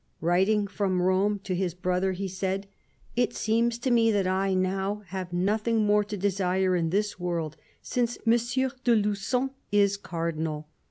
Writing from Rome to his brother, he said :" It seems to me that I now have nothing more to desire in this world, since M. de Lugon is Cardinal